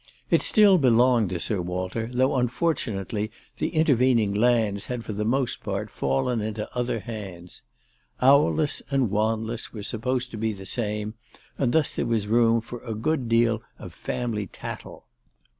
It still belonged to Sir Walter, though unfortunately the intervening lands had for the most part fallen into other hands. Owless and. Wanless were supposed to be the same, and thus there was room for a good deal of family tattle.